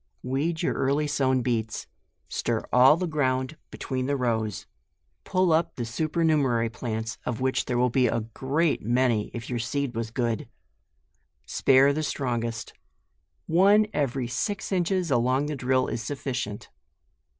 Weed your early sown beets; stir all the ground between the rows ; pull up the super* numerary plants, of which there will be a great many if your seed was good ; spare the strongest. One every six inches along the drill is sufficient.